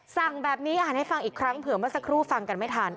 สั่งแบบนี้อ่านให้ฟังอีกครั้งเผื่อเมื่อสักครู่ฟังกันไม่ทัน